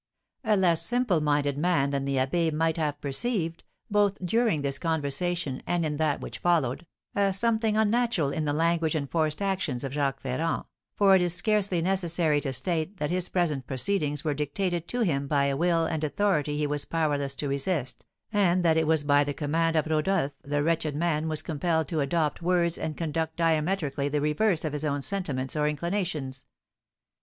A less simple minded man than the abbé might have perceived, both during this conversation and in that which followed, a something unnatural in the language and forced actions of Jacques Ferrand, for it is scarcely necessary to state that his present proceedings were dictated to him by a will and authority he was powerless to resist, and that it was by the command of Rodolph the wretched man was compelled to adopt words and conduct diametrically the reverse of his own sentiments or inclinations.